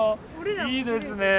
いいですね。